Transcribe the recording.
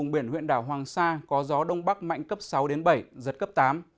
biển huyện đảo hoàng sa có gió đông bắc mạnh cấp sáu đến bảy giật cấp tám